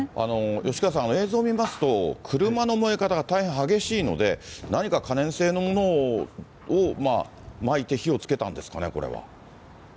吉川さん、映像見ますと、車の燃え方が大変激しいので、何か可燃性のものをまいて火をつけたんですかね、これは。